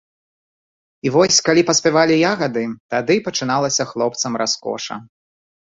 І вось, калі паспявалі ягады, тады пачыналася хлопцам раскоша.